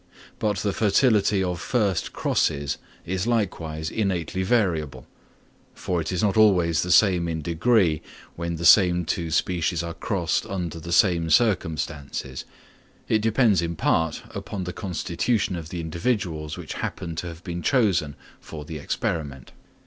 But the fertility of first crosses is likewise innately variable; for it is not always the same in degree when the same two species are crossed under the same circumstances; it depends in part upon the constitution of the individuals which happen to have been chosen for the experiment.